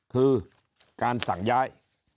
คือการสั่งย้าย